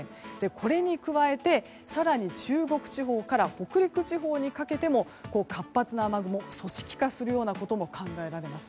これに加えて、更に中国地方から北陸地方にかけても活発な雨雲、組織化するようなことも考えられます。